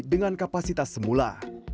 dengan kapasitas semula